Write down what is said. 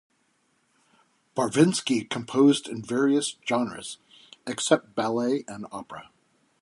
Barvinsky composed in various genres except ballet and opera.